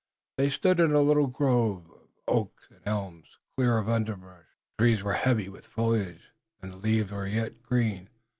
They stood in a little grove of oaks and elms, clear of underbrush. The trees were heavy with foliage, and the leaves were yet green.